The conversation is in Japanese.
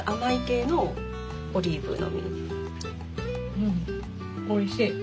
うんおいしい。